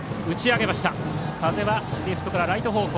風はレフトからライト方向。